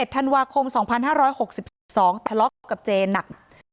ธันวาคม๒๕๖๒ทะเลาะคบกับเจหนัก